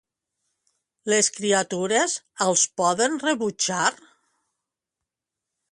Les criatures els poden rebutjar?